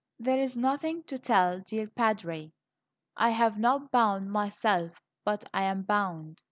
"There is nothing to tell, dear Padre; I have not bound myself, but I am bound."